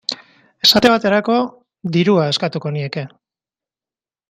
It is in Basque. Esate baterako, dirua eskatuko nieke.